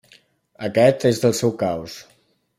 Aquest és el seu caos.